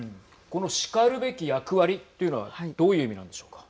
このしかるべき役割というのはどういう意味なんでしょうか。